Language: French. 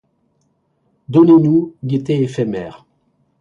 Donnez-nous, gaîtés éphémères